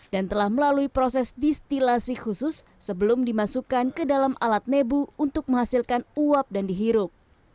dan telah melalui proses distilasi khusus sebelum dimasukkan ke dalam alat nebu untuk menghasilkan uap dan dihirup